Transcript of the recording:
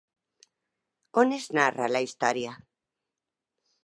On es narra la història?